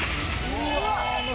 うわ！